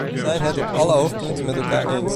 We zijn het op alle hoofdpunten met elkaar eens.